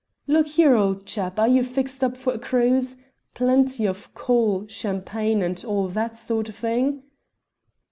"Look here, old chap, are you fixed up for a cruise? Plenty of coal, champagne, and all that sort of thing?"